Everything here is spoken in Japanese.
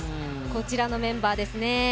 こちらのメンバーですね。